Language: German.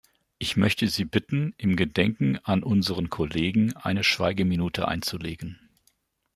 Ich möchte Sie bitten, im Gedenken an unseren Kollegen eine Schweigeminute einzulegen.